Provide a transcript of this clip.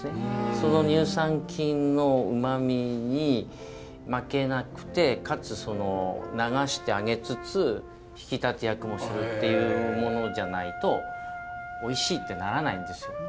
その乳酸菌のうまみに負けなくてかつ流してあげつつ引き立て役もするっていうものじゃないとおいしいってならないんですよ。